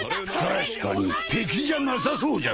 確かに敵じゃなさそうじゃのう。